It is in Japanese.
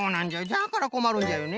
じゃからこまるんじゃよね。